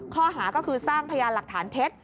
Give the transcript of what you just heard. ข้อหาก็คือสร้างพยานหลักฐานเท็จ